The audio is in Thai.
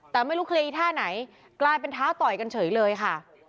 แต่ไม่รู้เคลียร์อีกท่าไหนกลายเป็นท้าต่อยกันเฉยเลยค่ะ